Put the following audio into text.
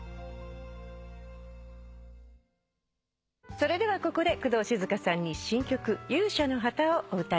それではここで工藤静香さんに新曲『勇者の旗』をお歌いいただきます。